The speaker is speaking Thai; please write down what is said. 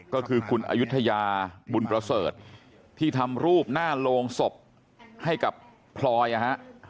ก็คือคุณอายุทยาบุญประเสริฐที่ทำรูปหน้าโรงศพให้กับพลอยนะฮะ